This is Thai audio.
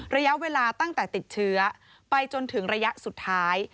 ระยะเวลาตั้งแต่ติดเชื้อไปจนถึงระยะสุดท้าย